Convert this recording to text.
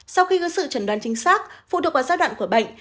sau khi có sự chẩn đoán chính xác phụ thuộc vào giai đoạn của bệnh